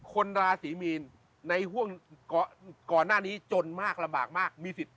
ราศีมีนในห่วงก่อนหน้านี้จนมากลำบากมากมีสิทธิ